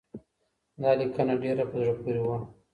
دا لیکنه ډېره په زړه پوري وه.